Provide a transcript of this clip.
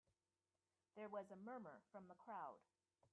There was a murmur from the crowd.